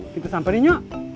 kita samperin yuk